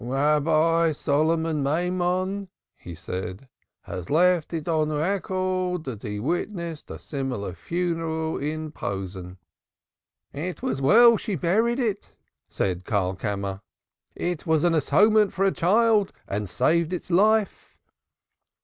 "Rabbi Solomon Maimon," he said, "has left it on record that he witnessed a similar funeral in Posen." "It was well she buried it," said Karlkammer. "It was an atonement for a child, and saved its life."